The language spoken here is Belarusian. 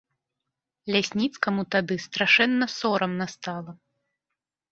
Лясніцкаму тады страшэнна сорамна стала.